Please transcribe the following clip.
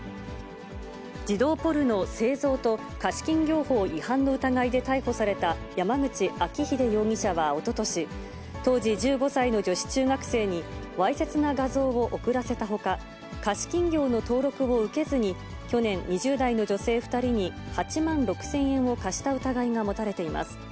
児童ポルノ製造と貸金業法違反の疑いで逮捕された山口哲秀容疑者はおととし、当時１５歳の女子中学生に、わいせつな画像を送らせたほか、貸金業の登録を受けずに、去年、２０代の女性２人に８万６０００円を貸した疑いが持たれています。